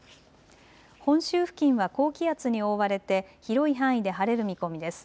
本州付近は高気圧に覆われて広い範囲で晴れる見込みです。